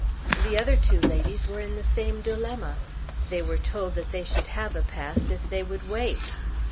The other two ladies were in the same dilemma. They were told that they should have a pass if they would wait.